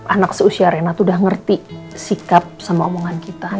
anak seusia rena tuh udah ngerti sikap sama omongan kita